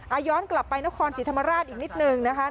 อาย้อนกลับไปนครสิทธิ์ธรรมราชอีกนิดหนึ่งนะครับ